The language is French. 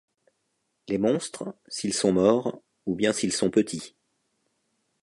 Les monstres, s'ils sont morts, ou bien s'ils sont petits.